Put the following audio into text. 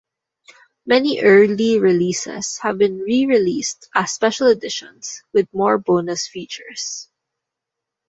Many early releases have been re-released as special editions, with more bonus features.